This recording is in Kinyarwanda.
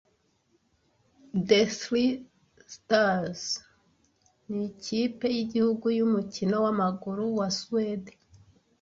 The Three Stars nikipe yigihugu yumukino wamaguru wa Suwede